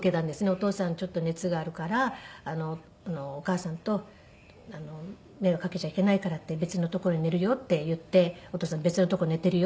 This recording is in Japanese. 「お父さんちょっと熱があるからお母さんと迷惑かけちゃいけないからって別の所で寝るよって言ってお父さん別のとこ寝てるよ」